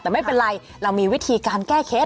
แต่ไม่เป็นไรเรามีวิธีการแก้เคล็ด